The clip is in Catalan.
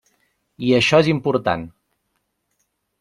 I això és important.